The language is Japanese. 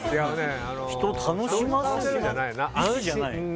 楽しませるじゃないな。